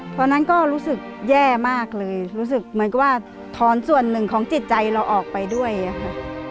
ตอนนั้นก็รู้สึกแย่มากเลยรู้สึกเหมือนกับว่าถอนส่วนหนึ่งของจิตใจเราออกไปด้วยค่ะ